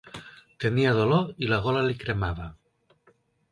Tenia dolor i la gola li cremava.